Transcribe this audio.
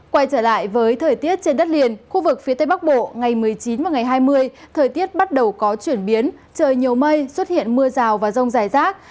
quay trở lại với thời tiết trên đất liền khu vực phía tây bắc bộ ngày một mươi chín và ngày hai mươi thời tiết bắt đầu có chuyển biến trời nhiều mây xuất hiện mưa rào và rông dài rác